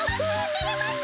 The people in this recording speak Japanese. てれます！